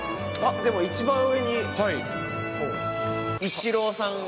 でも、一番上に、イチローさんが。